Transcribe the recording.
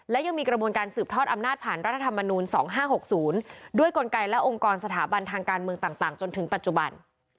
และยังมีกระบวนการสืบทอดอำนาจผ่านรัฐธรรมนูล๒๕๖๐ด้วยกลไกและองค์กรสถาบันทางการเมืองต่างจนถึงปัจจุบัน